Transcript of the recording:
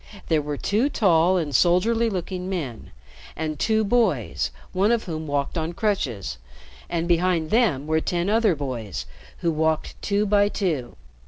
There were two tall and soldierly looking men and two boys, one of whom walked on crutches, and behind them were ten other boys who walked two by two.